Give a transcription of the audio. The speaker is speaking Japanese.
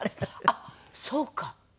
あっそうか！